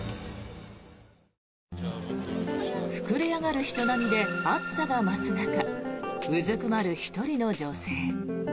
膨れ上がる人波で暑さが増す中うずくまる１人の女性。